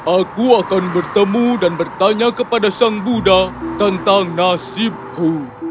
aku akan bertemu dan bertanya kepada sang buddha tentang nasibku